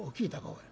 おい。